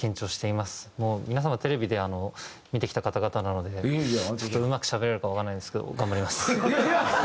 皆様テレビで見てきた方々なのでちょっとうまくしゃべれるかわからないですけど。